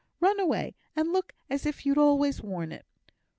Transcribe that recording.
Run away, and look as if you'd always worn it."